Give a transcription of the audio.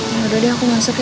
ya udah deh aku masuk ya